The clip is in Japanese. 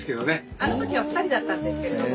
あの時は２人だったんですけれども。